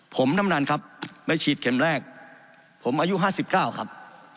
ผมทำงานครับไปฉีดเข็มแรกผมอายุ๕๙ครับ